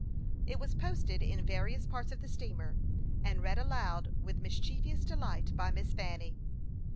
It was posted in various parts of the steamer, and read aloud with mischievous delight by Miss Fanny.